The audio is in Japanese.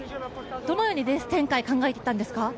どのようにレース展開を考えていたんですか？